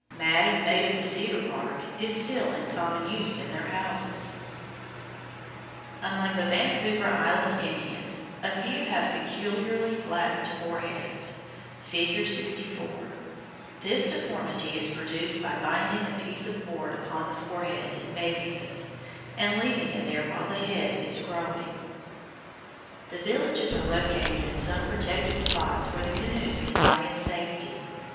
Matting made of the cedar bark is still in common use in their houses. [Illustration: FIG. 65. INDIAN HOUSES, FORT RUPERT, VANCOUVER ISLAND] Among the Vancouver Island Indians, a few have peculiarly flattened foreheads (Fig. 64). This deformity is produced by binding a piece of board upon the forehead in babyhood and leaving it there while the head is growing. The villages are located in some protected spot where the canoes can lie in safety.